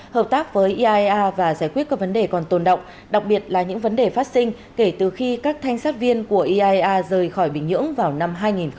hợp tác với eia và giải quyết các vấn đề còn tồn động đặc biệt là những vấn đề phát sinh kể từ khi các thanh sát viên của eia rời khỏi bình nhưỡng vào năm hai nghìn chín